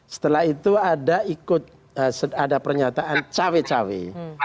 setelah itu ada pernyataan cawi cawi